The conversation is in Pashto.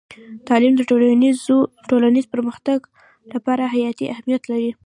تعلیم د ټولنیز پرمختګ لپاره حیاتي اهمیت لري.